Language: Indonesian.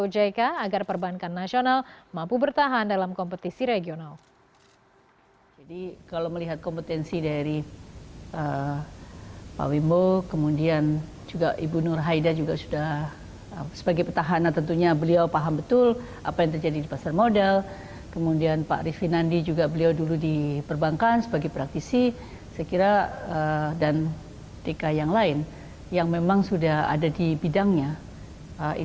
ketua dewan komisioner ujk mencari partisipasi ujk agar perbankan nasional mampu bertahan dalam kompetisi regional